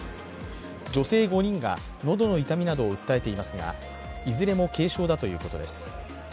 女性５人が喉の痛みなどを訴えていますがいずれも軽症だということです。